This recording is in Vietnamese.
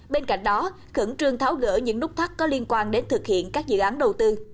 bên cạnh đó khẩn trương tháo gỡ những nút thắt có liên quan đến thực hiện các dự án đầu tư